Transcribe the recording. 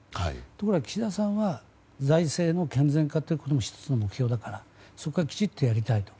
ところが、岸田さんは財政の健全化というのが１つの目標だからそこはきちんとやりたいと。